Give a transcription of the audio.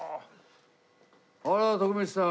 あら徳光さん。